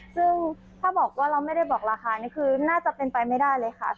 ซึ่งถ้าบอกว่าเราไม่ได้บอกราคานี่คือน่าจะเป็นไปไม่ได้เลยค่ะ